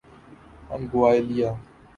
Anguilla